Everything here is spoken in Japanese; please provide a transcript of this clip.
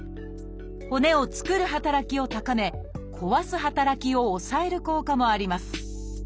骨を作る働きを高め壊す働きを抑える効果もあります。